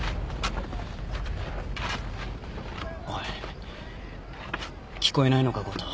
おい聞こえないのか五島。